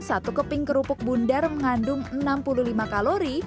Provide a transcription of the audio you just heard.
satu keping kerupuk bundar mengandung enam puluh lima kalori